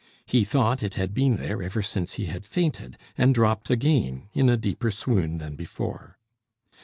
He thought it had been there ever since he had fainted, and dropped again in a deeper swoon than before.